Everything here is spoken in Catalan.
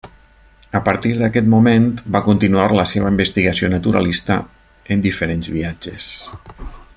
A partir d'aquest moment, va continuar la seva investigació naturalista en diferents viatges.